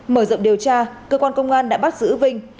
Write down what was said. mở rộng điều tra cơ quan công an đã bắt giữ vinh